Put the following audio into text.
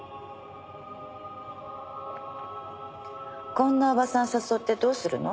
こんなおばさん誘ってどうするの？